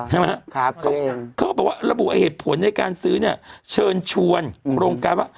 ใช่ไหมครับเขาก็บอกว่าระบุเหตุผลในการซื้อเนี่ยเชิญชวนโครงการว่า